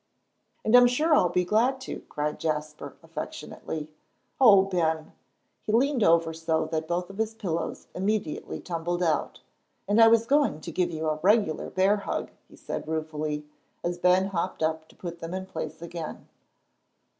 "And I'm sure I'll be glad to," cried Jasper, affectionately. "Oh, Ben!" He leaned over so that both of his pillows immediately tumbled out. "And I was going to give you a regular bear hug," he said ruefully, as Ben hopped up to put them in place again.